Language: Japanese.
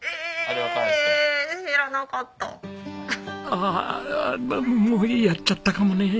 ああもうやっちゃったかもね。